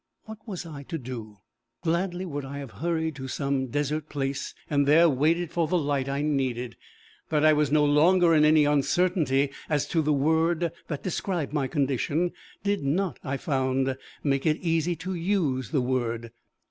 What was I to do? Gladly would I have hurried to some desert place, and there waited for the light I needed. That I was no longer in any uncertainty as to the word that described my condition, did not, I found, make it easy to use the word.